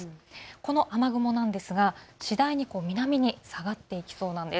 この雨雲なんですが次第に南に下がっていきそうなんです。